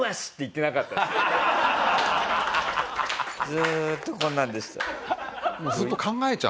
ずーっとこんなんでした。